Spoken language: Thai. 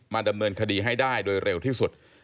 ดำเนินคดีให้ได้โดยเร็วที่สุด